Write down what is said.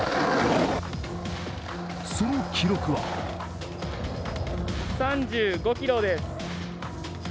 その記録は３５キロです。